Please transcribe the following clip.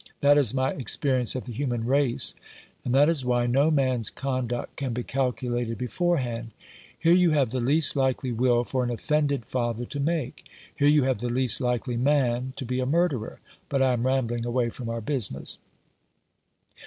That is my ex perience of the human race, and that is why no man's conduct can be calculated beforehand. Here you have the least likely will for an offended father to make. Here you have the least likely man to be a murderer. But I am rambling away from our business."